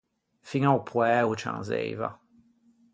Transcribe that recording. Fiña o poæ o cianzeiva.